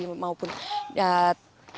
mereka masih terus berlatih